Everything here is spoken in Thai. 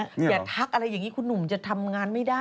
อย่าทักอะไรอย่างนี้คุณหนุ่มจะทำงานไม่ได้